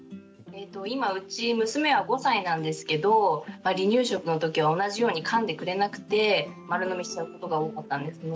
今うち娘は５歳なんですけど離乳食の時は同じようにかんでくれなくて丸飲みしちゃうことが多かったんですね。